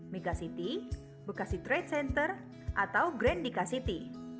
megacity bekasi trade center atau grand dika city